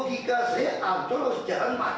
logika saya ancur harus jalan mati matian nih